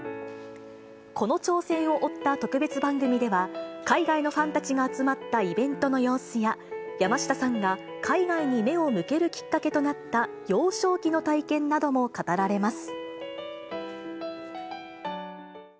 この挑戦を追った特別番組では、海外のファンたちが集まったイベントの様子や、山下さんが海外に目を向けるきっかけとなった、幼少期の体験なども語られます。